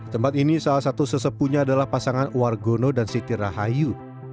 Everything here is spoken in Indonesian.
tempat ini salah satu sesepunya adalah pasangan wargono dan siti rahayu